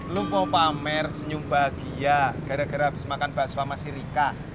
lu mau pamer senyum bahagia gara gara habis makan bakso sama si rika